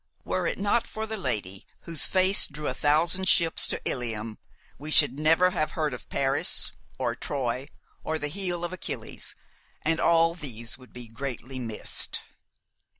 "Were it not for the lady whose face drew a thousand ships to Ilium, we should never have heard of Paris, or Troy, or the heel of Achilles, and all these would be greatly missed."